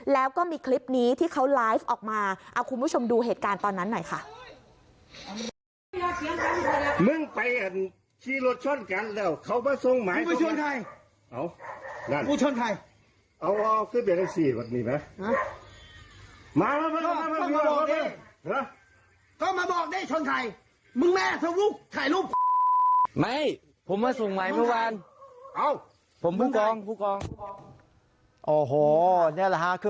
แล้วก็มีคลิปนี้ที่เขาไลฟ์ออกมาเอาคุณผู้ชมดูเหตุการณ์ตอนนั้นหน่อยค่ะ